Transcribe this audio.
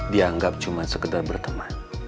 dianggap cuman sekedar berteman